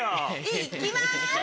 いきます！